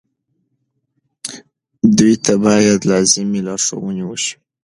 دوی ته باید لازمې لارښوونې وشي.